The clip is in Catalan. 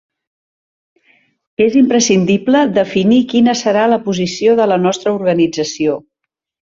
És imprescindible definir quina serà la posició de la nostra organització.